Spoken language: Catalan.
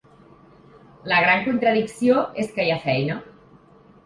La gran contradicció és que hi ha feina.